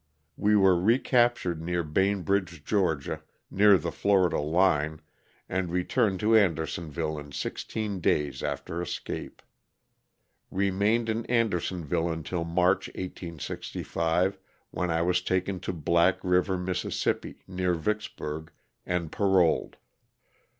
We were recaptured near Bainbridge, Ga., near the Florida line, and returned to Andersonville in sixteen days after escape. Remained in Andersonville until March 1805, when 1 was taken to Black river. Miss., near Vicksburg, and paroled.